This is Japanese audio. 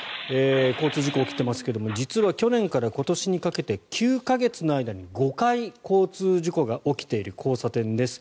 交通事故が起きていますが実は去年から今年にかけて９か月の間に５回交通事故が起きている交差点です。